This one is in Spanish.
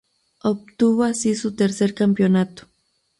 Obtuvo así su tercer campeonato.